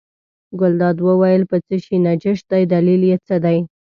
ګلداد وویل په څه شي نجس دی دلیل یې څه دی.